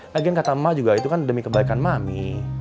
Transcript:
lagian kata emak juga itu kan demi kebaikan mami